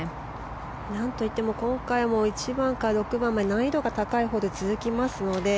何といっても今回、１番から６番まで難易度が高いホールが続きますので。